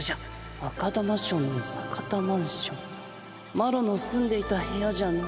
マロのすんでいた部屋じゃの。